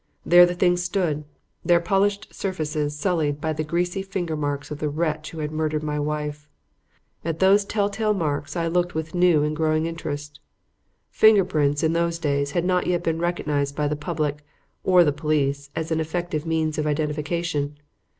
There the things stood, their polished surfaces sullied by the greasy finger marks of the wretch who had murdered my wife. At those tell tale marks I looked with new and growing interest. Finger prints, in those days, had not yet been recognized by the public or the police as effective means of identification.